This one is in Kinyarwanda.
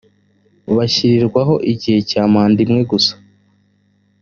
bashyirirwaho igihe cya manda imwe gusa